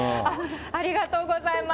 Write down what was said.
ありがとうございます。